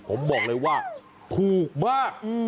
ผมบอกเลยว่าถูกมาก